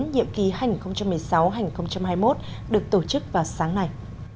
nhiệm ký hai nghìn một mươi sáu hai nghìn hai mươi một được tổ chức vào sáng nay